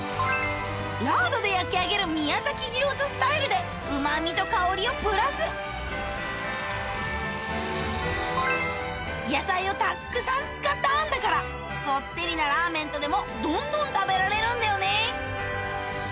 ラードで焼き上げる宮崎餃子スタイルで旨味と香りをプラス野菜をたくさん使った餡だからこってりなラーメンとでもどんどん食べられるんだよね